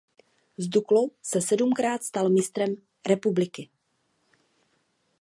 S Duklou se sedmkrát stal mistrem republiky.